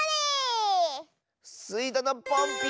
スイどのポンピン！